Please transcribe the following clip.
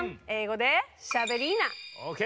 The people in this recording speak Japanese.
ＯＫ